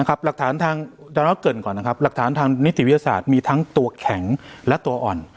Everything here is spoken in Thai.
หลักฐานทางดาราเกินก่อนนะครับหลักฐานทางนิติวิทยาศาสตร์มีทั้งตัวแข็งและตัวอ่อน